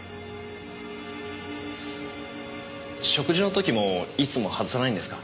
食事の時もいつも外さないんですか？